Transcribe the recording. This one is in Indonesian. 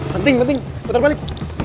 penting penting puter balik